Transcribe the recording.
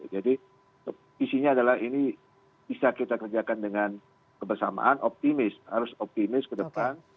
jadi isinya adalah ini bisa kita kerjakan dengan kebersamaan optimis harus optimis ke depan